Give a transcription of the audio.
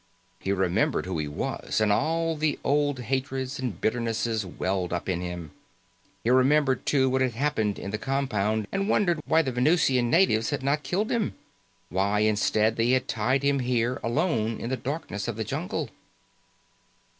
He remembered who he was, and all the old hatreds and bitterness welled up in him. He remembered, too, what had happened in the compound, and wondered why the Venusian natives had not killed him. Why, instead, they had tied him here alone in the darkness of the jungle.